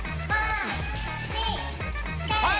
はい！